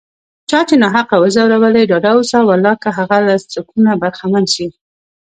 چا چې ناحقه وځورولي، ډاډه اوسه والله که هغه هم له سکونه برخمن شي